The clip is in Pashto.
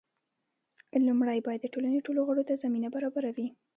لومړی باید د ټولنې ټولو غړو ته زمینه برابره وي.